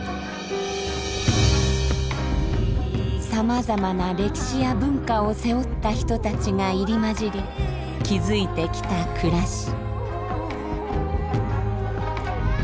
さまざまな歴史や文化を背負った人たちが入り交じり築いてきた暮らし。